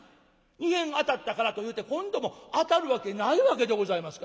２へん当たったからというて今度も当たるわけないわけでございますから。